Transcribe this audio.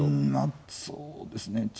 うんそうですね。